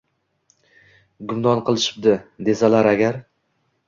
Gumdon qilishibdi», desalar agar